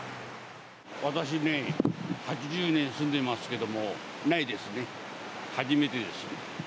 私ね、８０年住んでますけども、ないですね、初めてです。